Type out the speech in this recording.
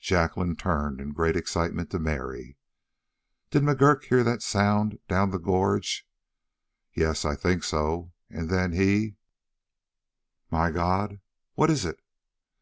Jacqueline turned in great excitement to Mary: "Did McGurk hear that sound down the gorge?" "Yes. I think so. And then he " "My God!" "What is it?"